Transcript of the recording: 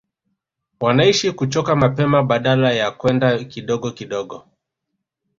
Wanaishia kuchoka mapema badala ya kwenda kidogo kidogo